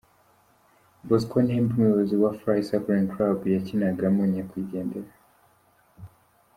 Bosco Ntembe Umuyobozi wa Fly Cycling Club yakinagamo Nyagwigendera.